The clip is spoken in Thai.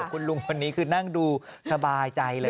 คุณลุงคนนี้คือนั่งดูสบายใจเลย